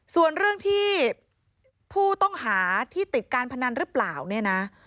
ส่วนเรื่องที่ผู้ต้องหาที่ติดการพนันหรือเปล่าเนี่ยนะ